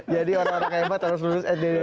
jadi orang orang yang hebat harus lulus sd di indonesia